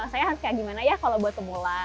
saya harus kayak gimana ya kalau buat pemula